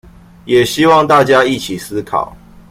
也希望大家一起思考